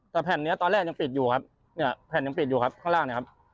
แต่แผ่นนี้ตอนแรกยังปิดอยู่ครับเนี่ยแผ่นยังปิดอยู่ครับข้างล่างเนี่ยครับ